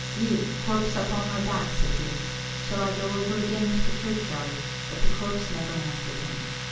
"You corpse, up on my back," said he, "shall I go over again to the churchyard?" but the corpse never answered him.